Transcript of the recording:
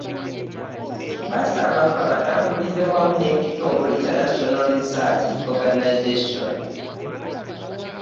Basaba babitambulize wamu n'ekitongole kya National Research Organization.